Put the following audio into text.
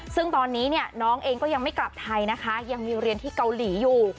ซึ่งตอนนี้เนี่ยน้องเองก็ยังไม่กลับไทยนะคะยังมีเรียนที่เกาหลีอยู่